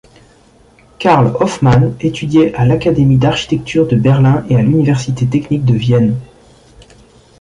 Karl Hofmann étudiait à l'Académie d'architecture de Berlin et à l'Université technique de Vienne.